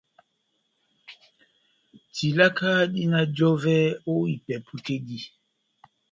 Tilaka dina jɔvɛ ó ipɛpu tɛ́ dí.